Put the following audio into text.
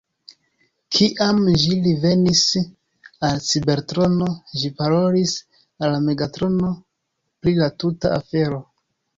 Kiam ĝi revenis al Cibertrono, ĝi parolis al Megatrono pri la tuta afero.